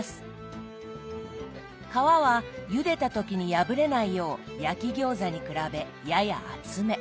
皮はゆでた時に破れないよう焼き餃子に比べやや厚め。